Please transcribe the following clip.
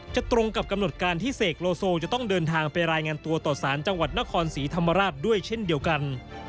ตรงกับกำหนดการที่เสกโลโซจะต้องเดินทางไปรายงานตัวต่อสารจังหวัดนครศรีธรรมราชด้วยเช่นเดียวกัน